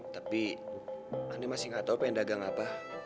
tapi aneh masih enggak tahu pengen dagang apa